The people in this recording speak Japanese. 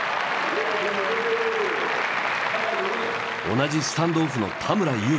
同じスタンドオフの田村優。